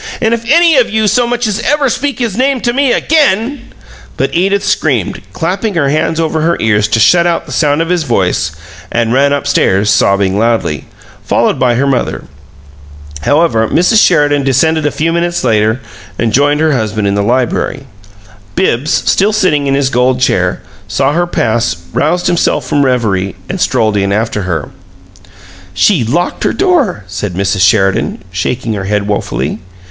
And if any of you so much as ever speak his name to me again " But Edith screamed, clapping her hands over her ears to shut out the sound of his voice, and ran up stairs, sobbing loudly, followed by her mother. However, Mrs. Sheridan descended a few minutes later and joined her husband in the library. Bibbs, still sitting in his gold chair, saw her pass, roused himself from reverie, and strolled in after her. "She locked her door," said Mrs. Sheridan, shaking her head woefully.